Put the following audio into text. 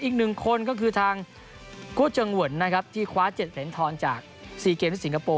อีกหนึ่งคนก็คือทางคู่เจิงเวิร์นนะครับที่คว้า๗เหรียญทองจาก๔เกมที่สิงคโปร์